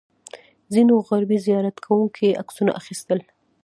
ځینو غربي زیارت کوونکو یې عکسونه اخیستل.